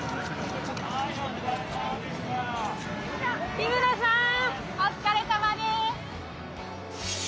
木村さんお疲れさまです。